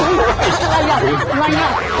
โอ้โฮเดี๋ยวไปดูเที่ยว